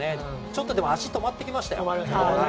ちょっと足止まってきましたよ。